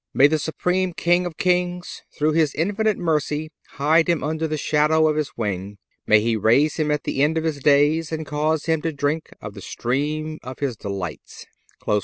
May the supreme King of kings, through His infinite mercy, hide him under the shadow of His wing. May He raise him at the end of his days and cause him to drink of the stream of His delights."